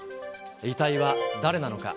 遺体は誰なのか。